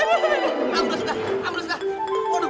yah dasar si jejin